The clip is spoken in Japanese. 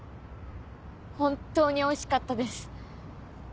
本当においしかったです。